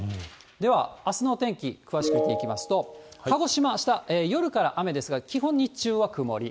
では、あすのお天気、詳しく見ていきますと、鹿児島、あした、夜から雨ですが、基本、日中は曇り。